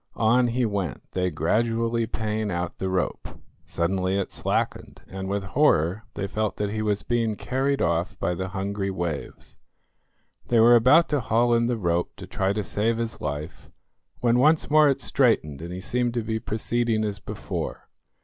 On he went, they gradually paying out the rope. Suddenly it slackened, and with horror they felt that he was being carried off by the hungry waves. They were about to haul in the rope to try to save his life, when once more it straightened and he seemed to be proceeding as before.